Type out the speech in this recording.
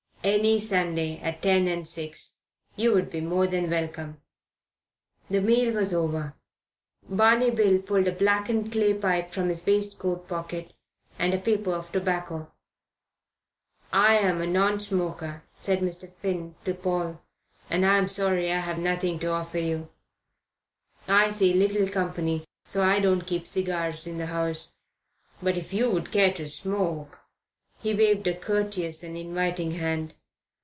"Any Sunday, at ten and six. You would be more than welcome." The meal was over. Barney Bill pulled a blackened clay pipe from his waistcoat pocket and a paper of tobacco. "I'm a non smoker," said Mr. Finn to Paul, "and I'm sorry I've nothing to offer you I see little company, so I don't keep cigars in the house but if you would care to smoke " he waved a courteous and inviting hand.